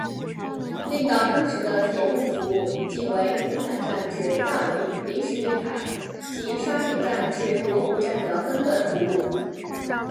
令到当时的铁路服务仅为红磡站至大围临时月台及沙田站至罗湖站的分段服务。